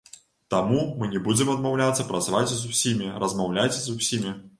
Таму мы не будзем адмаўляцца працаваць з усімі, размаўляць з усімі.